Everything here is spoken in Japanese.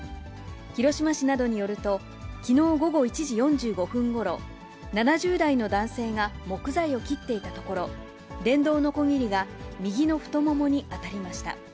広島市などによると、きのう午後１時４５分ごろ、７０代の男性が木材を切っていたところ、電動のこぎりが右の太ももに当たりました。